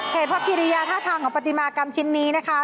เหตุพระกิริยาท่าทางของปฏิมากรรมชิ้นนี้นะคะ